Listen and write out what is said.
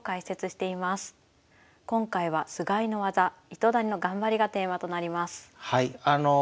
今回は「菅井の技糸谷の頑張り」がテーマとなります。